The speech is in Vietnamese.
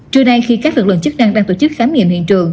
trưa nay khi các lực lượng chức năng đang tổ chức khám nghiệm hiện trường